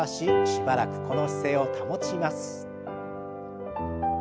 しばらくこの姿勢を保ちます。